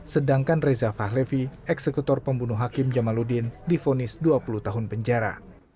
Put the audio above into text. sedangkan reza fahlevi eksekutor pembunuh hakim jamaludin difonis dua puluh tahun penjara